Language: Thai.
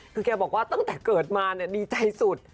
คือแกบอกว่าตั้งแต่เกิดมาดีใจสุด